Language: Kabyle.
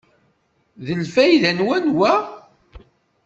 Deg lfayda n wanwa?